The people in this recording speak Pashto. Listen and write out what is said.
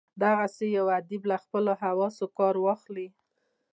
دغسي که یو ادیب له خپلو حواسو کار واخلي.